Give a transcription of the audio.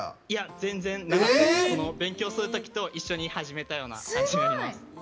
全然。勉強するときと一緒に始めた感じになります。